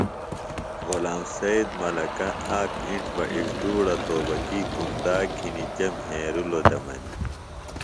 غلام سید ملکہ آک اِنڇ بہ اڙدوڑہ توبکی کُنداک گِھنی جے مھیرِلوۡ دےۡ منیۡ